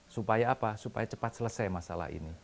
supaya apa supaya cepat selesai masalah ini